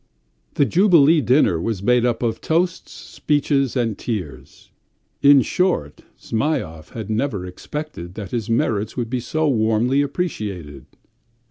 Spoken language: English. The jubilee dinner was made up of toasts, speeches, and tears. In short, Zhmyhov had never expected that his merits would be so warmly appreciated.